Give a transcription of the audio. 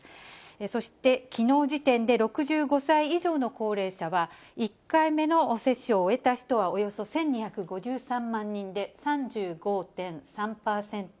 そして、きのう時点で６５歳以上の高齢者は、１回目の接種を終えた人はおよそ１２５３万人で３５．３％。